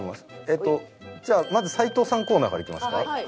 えっとじゃあまず齊藤さんコーナーからいきますか？